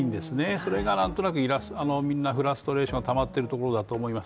それがなんとなく、みんなフラストレーションがたまっているところだと思います。